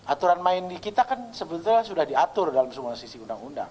aturan main di kita kan sebetulnya sudah diatur dalam semua sisi undang undang